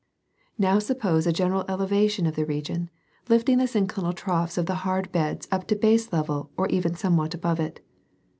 Now suppose a general elevation of the region, lifting the synclinal troughs of the hard beds up to baselevel or even somewhat above it.